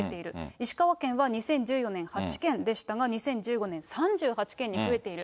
石川県は２０１４年、８件でしたが、２０１５年３８件に増えている。